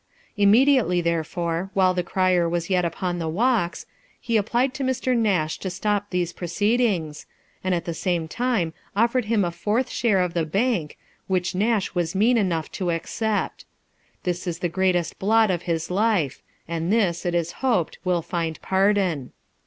Immediately, therefore, while the crier was 64 LIFE OF RICHARD NASH. yet upon the walks, he applied to Mr. Nash to stop these proceedings, and at the same time offered him a fourth share of the hank, which Nash was mean enough to accept. This is the greatest hlot in his life ; and this, it is hoped, will find pardon.